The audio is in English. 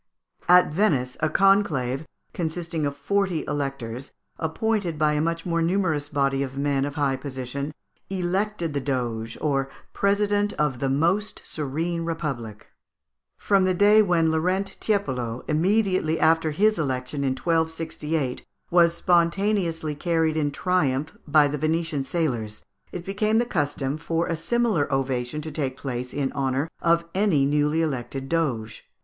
At Venice, a conclave, consisting of forty electors, appointed by a much more numerous body of men of high position, elected the Doge, or president of the most serene Republic. From the day when Laurent Tiepolo, immediately after his election in 1268, was spontaneously carried in triumph by the Venetian sailors, it became the custom for a similar ovation to take place in honour of any newly elected doge.